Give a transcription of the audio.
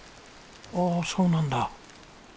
ああそうなんだ。